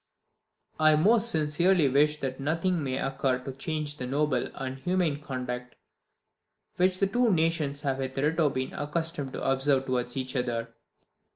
I most sincerely wish that nothing may occur to change the noble and humane conduct which the two nations have hitherto been accustomed to observe towards each other.